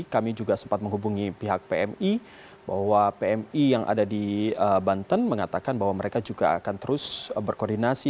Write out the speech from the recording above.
kami juga sempat menghubungi pihak pmi bahwa pmi yang ada di banten mengatakan bahwa mereka juga akan terus berkoordinasi